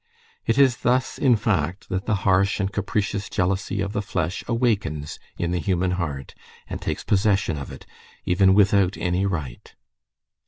It is thus, in fact, that the harsh and capricious jealousy of the flesh awakens in the human heart, and takes possession of it, even without any right.